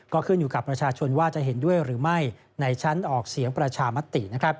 ก็ขึ้นอยู่กับประชาชนว่าจะเห็นด้วยหรือไม่ในชั้นออกเสียงประชามติ